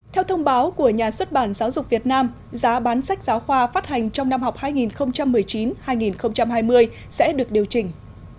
theo thông báo của nhà xuất bản giáo dục việt nam giá bán sách giáo khoa phát hành trong năm học hai nghìn một mươi chín hai nghìn hai mươi sẽ được điều chỉnh